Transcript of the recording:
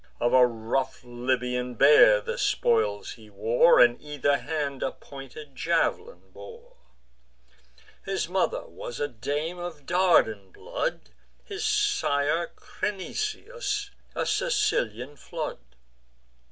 Of a rough Libyan bear the spoils he wore, And either hand a pointed jav'lin bore. His mother was a dame of Dardan blood; His sire Crinisus, a Sicilian flood.